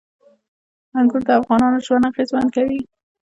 انګور د افغانانو ژوند اغېزمن کوي.